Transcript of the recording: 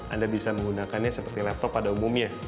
anda bisa menggunakannya seperti laptop pada umumnya